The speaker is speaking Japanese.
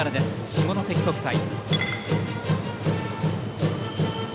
下関国際。